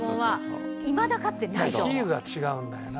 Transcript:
比喩が違うんだよな。